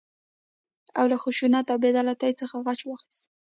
او له خشونت او بې عدالتۍ څخه غچ واخيست.